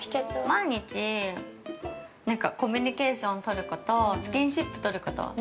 ◆毎日、なんかコミュニケーションとること、スキンシップとること。